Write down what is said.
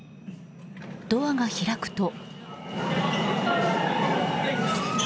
ドアが開くと。